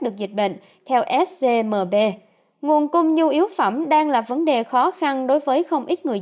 được dịch bệnh theo sdmb nguồn cung nhu yếu phẩm đang là vấn đề khó khăn đối với không ít người